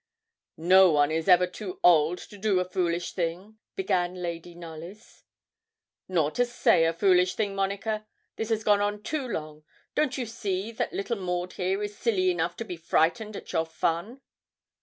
'No one is ever too old to do a foolish thing,' began Lady Knollys. 'Nor to say a foolish thing, Monica. This has gone on too long. Don't you see that little Maud here is silly enough to be frightened at your fun.'